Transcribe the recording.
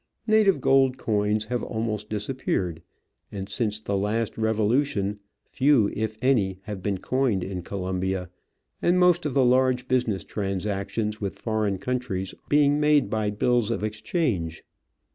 Native gold coins have almost disappeared, and since the last revolution few, if any, have been coined in Colombia, most of the large business transactions with foreign countries being made by bills of exchange.